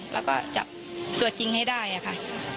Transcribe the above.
แล้วก็จับตัวจริงให้ได้ค่ะ